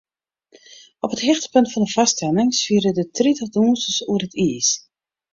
Op it hichtepunt fan de foarstelling swiere der tritich dûnsers oer it iis.